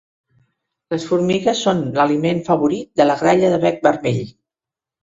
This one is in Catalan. Les formigues són l'aliment favorit de la gralla de bec vermell.